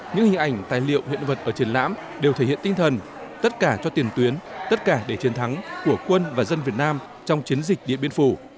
những hình ảnh tài liệu hiện vật ở triển lãm đều thể hiện tinh thần tất cả cho tiền tuyến tất cả để chiến thắng của quân và dân việt nam trong chiến dịch điện biên phủ